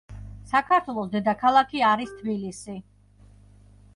საქართველოს დედაქალაქი არის თბილისი